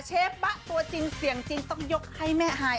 เชฟบะตัวจริงเสียงจริงต้องยกให้แม่ฮาย